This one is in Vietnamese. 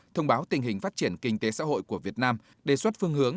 thông báo tình hình phát triển kinh tế xã hội của việt nam đề xuất phương hướng